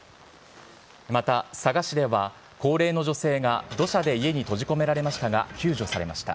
また佐賀市では、高齢の女性が土砂で家に閉じ込められましたが、救助されました。